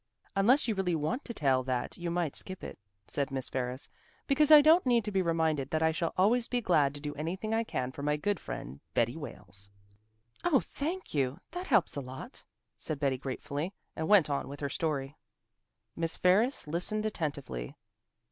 "Unless you really want to tell that you might skip it," said Miss Ferris, "because I don't need to be reminded that I shall always be glad to do anything I can for my good friend Betty Wales." "Oh, thank you! That helps a lot," said Betty gratefully, and went on with her story. Miss Ferris listened attentively.